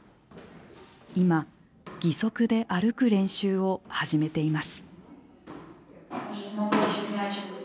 今、義足で歩く練習を始めています。